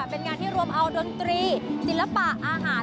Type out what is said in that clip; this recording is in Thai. เป็นงานที่รวมเอาดนตรีศิลปะอาหาร